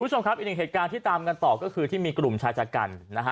คุณผู้ชมครับอีกหนึ่งเหตุการณ์ที่ตามกันต่อก็คือที่มีกลุ่มชายจัดการนะฮะ